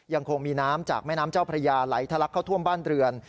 ยังคงมีน้ำจากแม่น้ำเจ้าพระยาไหลทะลักเข้าท่วมบ้านเรือน